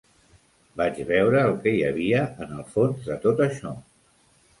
Vaig veure el que hi havia en el fons de tot això.